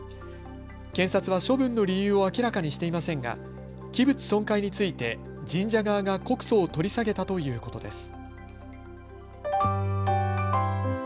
検察は処分の理由を明らかにしていませんが器物損壊について神社側が告訴を取り下げたということです。